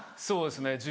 そうですね